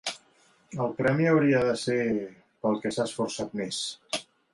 El premi hauria de ser pel que s'ha esforçat més.